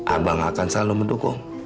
abang akan selalu mendukung